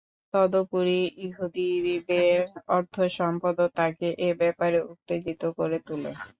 তদুপরি ইহুদীদের অর্থ-সম্পদও তাকে এ ব্যাপারে উত্তেজিত করে তুলে।